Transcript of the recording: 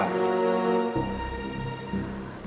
nuk tupin apa